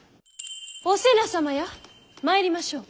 お瀬名様や参りましょう。